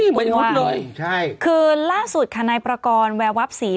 อุ๊ยนี่มันหุดลงใช่คือล่าสุดคาแนปรากรแววับสี